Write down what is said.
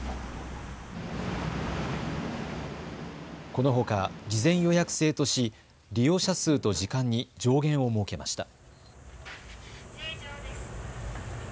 このほか事前予約制とし利用者数と時間に上限を設けました。